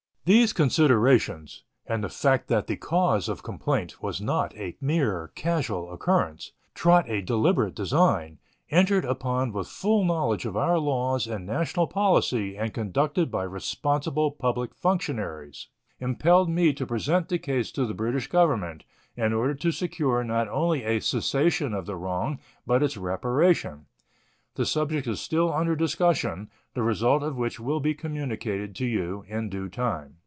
These considerations, and the fact that the cause of complaint was not a mere casual occurrence, trot a deliberate design, entered upon with full knowledge of our laws and national policy and conducted by responsible public functionaries, impelled me to present the case to the British Government, in order to secure not only a cessation of the, wrong, but its reparation. The subject is still under discussion, the result of which will be communicated to you in due time.